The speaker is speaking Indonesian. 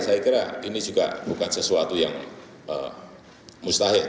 saya kira ini juga bukan sesuatu yang mustahil